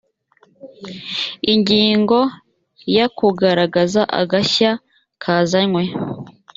ingingo ya kugaragaza agashya kazanywe